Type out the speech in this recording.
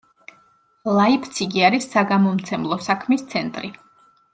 ლაიფციგი არის საგამომცემლო საქმის ცენტრი.